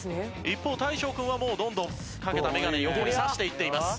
一方大昇君はもうどんどんかけたメガネ横に挿していっています。